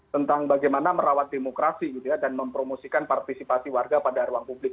tentang bagaimana merawat demokrasi gitu ya dan mempromosikan partisipasi warga pada ruang publik